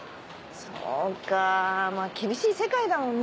そうかまぁ厳しい世界だもんね。